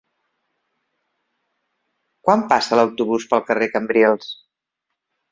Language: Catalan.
Quan passa l'autobús pel carrer Cambrils?